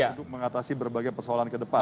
untuk mengatasi berbagai persoalan ke depan